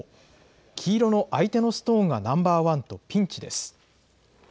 黄色の相手のストーンがナンバーワンとピンチです。